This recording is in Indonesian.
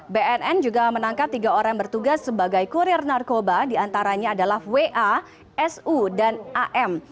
bnn juga menangkap tiga orang yang bertugas sebagai kurir narkoba diantaranya adalah wa su dan am